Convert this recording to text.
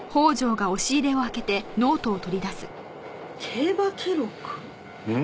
「競馬記録」？